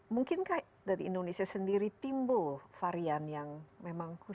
mungkinkah dari indonesia sendiri timbul varian yang memang khusus